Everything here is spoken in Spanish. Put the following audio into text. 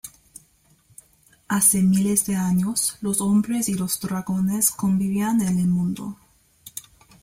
Hace miles de años, los hombres y los dragones convivían en el mundo.